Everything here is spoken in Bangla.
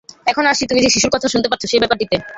এখন আসছি তুমি যে শিশুর কথা শুনতে পাচ্ছ সে-ব্যাপারটিতে।